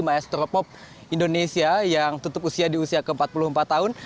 maestropop indonesia yang tutup usia di usia ke empat puluh empat tahun